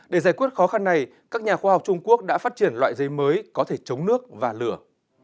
để giải quyết khó khăn này các nhà khoa học trung quốc đã phát triển loại giấy mới có thể chống nước và lửa